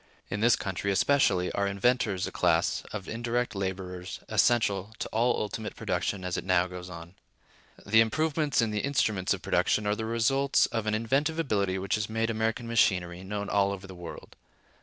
In this country, especially, are inventors a class of indirect laborers essential to all ultimate production as it now goes on. The improvements in the instruments of production are the results of an inventive ability which has made American machinery known all over the world.